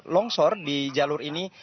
longsor di jalur ini